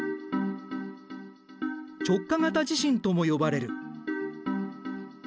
直下型地震とも呼ばれる。